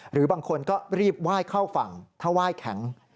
หรือบางคนก็รีบว่ายเข้าฝั่งถ้าว่ายแข็ง